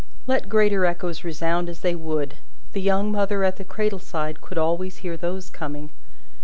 Let greater echoes resound as they would, the young mother at the cradle side could always hear those coming.